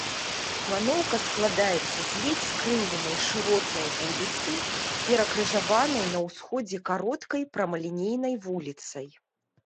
Планоўка складаецца з ледзь скрыўленай шыротнай вуліцы, перакрыжаванай на ўсходзе кароткай прамалінейнай вуліцай.